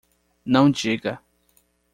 Não diga